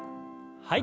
はい。